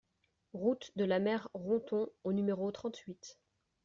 Route de la Mer Ronthon au numéro trente-huit